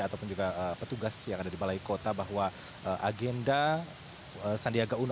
ataupun juga petugas yang ada di balai kota bahwa agenda sandiaga uno